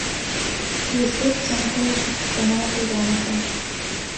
یووسف چەند گوڵێکی خستە ناو گوڵدانەکە.